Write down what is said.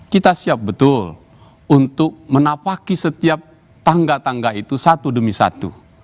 kita siap betul untuk menapaki setiap tangga tangga itu satu demi satu